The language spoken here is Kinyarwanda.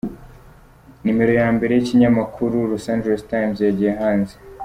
Numero ya mbere y’ikinyamakuru Los Angeles Times yagiye hanze.